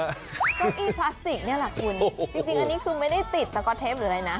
เก้าอี้พลาสติกนี่แหละคุณจริงอันนี้คุณไม่ได้ติดแต่ก็เทปเลยนะ